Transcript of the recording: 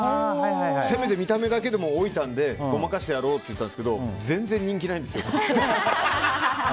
せめて見た目だけでも老いたので、ごまかしてやろうと言ってたんですけど全然、人気がないんですよ。